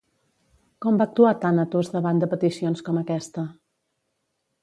Com va actuar Tànatos davant de peticions com aquesta?